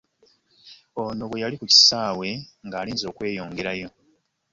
Ono bwe yali ku kisaawe ng'alinze okweyongerayo